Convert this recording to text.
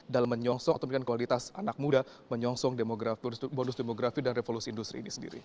dalam menyongsong atau menurunkan kualitas anak muda menyongsong bonus demografi dan revolusi industri ini sendiri